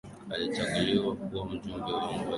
Alichaguliwa kuwa Mjumbe wa Jopo la Umoja wa Mataifa